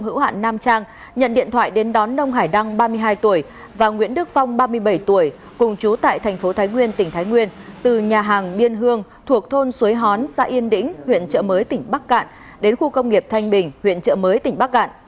hữu hạn nam trang nhận điện thoại đến đón nông hải đăng ba mươi hai tuổi và nguyễn đức phong ba mươi bảy tuổi cùng chú tại thành phố thái nguyên tỉnh thái nguyên từ nhà hàng biên hương thuộc thôn xuối hón xã yên đĩnh huyện trợ mới tỉnh bắc cạn đến khu công nghiệp thanh bình huyện trợ mới tỉnh bắc cạn